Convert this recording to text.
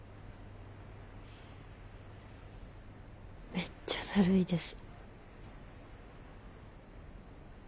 めっちゃだるいです。